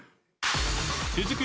［続く